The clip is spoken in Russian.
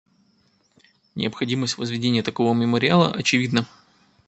Необходимость возведения такого мемориала очевидна.